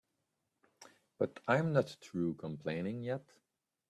But I'm not through complaining yet.